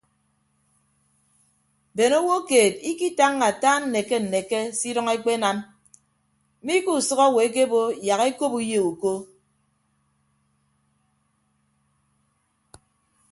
Bene owo keed ikitañña ata nneke nneke se idʌñ ekpenam mi ke usʌk owo ekebo yak ekop uyo uko.